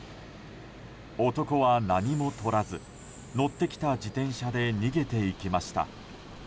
男は何もとらず乗ってきた自転車で逃げていきました。